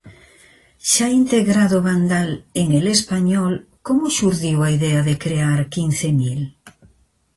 Xa integrado Vandal en El Español, como xurdiu a idea de crear Quincemil?